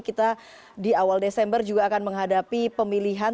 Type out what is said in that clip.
kita di awal desember juga akan menghadapi pemilihan